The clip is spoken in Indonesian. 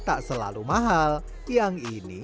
tak selalu mahal tiang ini